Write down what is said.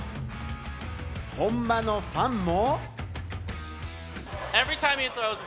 本場のファンも。